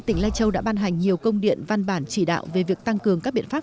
tỉnh lai châu đã ban hành nhiều công điện văn bản chỉ đạo về việc tăng cường các biện pháp